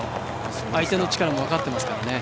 相手の力も分かっていますから。